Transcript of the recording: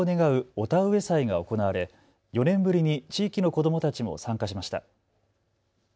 御田植祭が行われ４年ぶりに地域の子どもたちも参加しました。